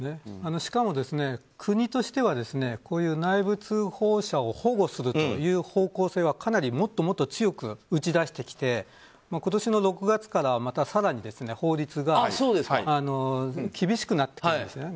しかも、国としてはこういう内部通報者を保護するという方向性はかなりもっと強く打ち出してきて今年の６月からまた更に法律が厳しくなってきているんです。